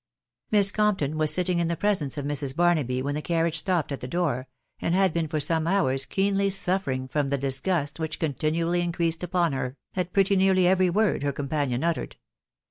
Miss Compton was sitting in the* presence of Mrsv Barnaby when the carriage stopped' at' the door, and had been for* seme hours' keenly suffering from the disgust wrach continually in creased upon her, at pretty nearly every word her companion uttered.